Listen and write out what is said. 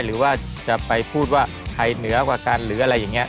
หรือว่าจะไปพูดว่าใครเหนือกว่ากันหรืออะไรอย่างนี้